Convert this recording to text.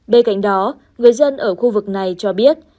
bên cạnh đó người dân ở khu vực này cho biết